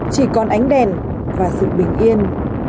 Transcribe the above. chỉ còn ánh đèn và sự bình yên